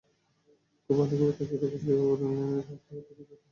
খুব ভালো করে তাকিয়ে দেখে সেও রেলিঙের ফাঁকে ওদের দিকে তাকিয়ে আছে।